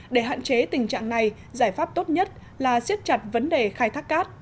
để hạn chế tình trạng này giải pháp tốt nhất là siết chặt vấn đề khai thác cát